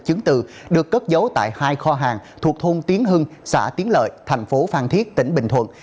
chứng từ được cất giấu tại hai kho hàng thuộc thôn tiến hưng xã tiến lợi thành phố phan thiết tỉnh bình thuận